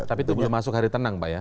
tapi itu belum masuk hari tenang pak ya